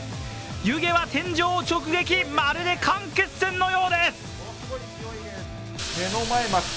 湯気は天井を直撃、まるで間欠泉のようです。